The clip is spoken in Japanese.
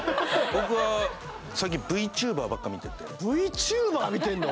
僕は最近ＶＴｕｂｅｒばっか見ててＶＴｕｂｅｒ見てんの？